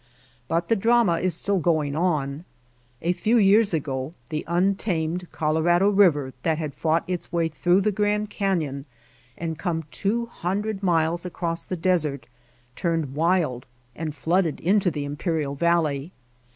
But the drama is still going on. A few years ago the untamed Colorado River that had fought its way through the Grand Canyon and come two hundred miles across the desert turned wild and flooded into the Imperial Valley.